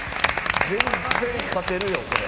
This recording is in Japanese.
全然勝てるよこれ。